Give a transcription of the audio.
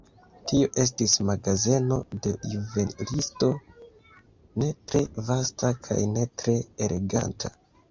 Tio estis magazeno de juvelisto, ne tre vasta kaj ne tre eleganta.